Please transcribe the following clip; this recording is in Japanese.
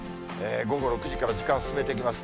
午後６時から時間進めていきます。